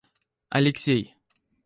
Алексей